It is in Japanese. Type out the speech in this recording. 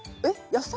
野菜？